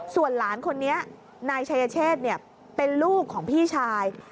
ส่วนหลานคนนี้นายชายเชษเป็นลูกของพี่ชาย